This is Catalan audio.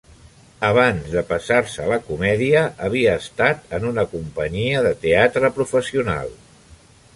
Abans de passar-se a la comèdia, havia estat en una companyia de teatre professional.